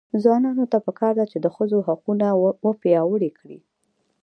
ځوانانو ته پکار ده چې، ښځو حقونه وپیاوړي کړي.